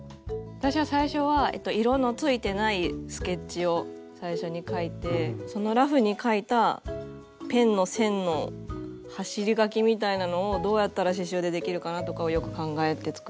私は最初は色のついてないスケッチを最初に描いてそのラフに描いたペンの線の走り書きみたいなのをどうやったら刺しゅうでできるかなとかをよく考えて作ってます。